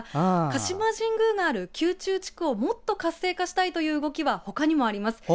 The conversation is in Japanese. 鹿島神宮がある宮中地区をもっと活性化したいという動きはほかにもあります。